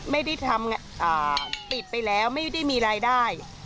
ไม่ได้ทำปิดไปแล้วไม่ได้มีรายได้